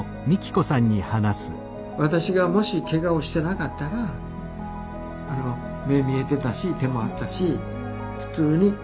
私がもしけがをしてなかったら目見えてたし手もあったし普通に。